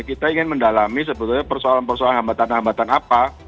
kita ingin mendalami sebetulnya persoalan persoalan hambatan hambatan apa